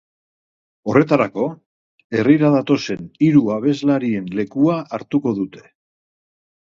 Horretarako, herrira datozen hiru abeslarien lekua hartuko dute.